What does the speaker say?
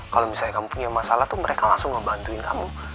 kalau misalnya kamu punya masalah tuh mereka langsung ngebantuin kamu